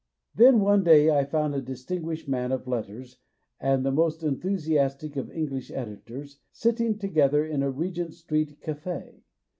Then one day I found a distinguished man of letters and the most enthusiastic of Eng lish editors sitting together in a Regent Street cafe.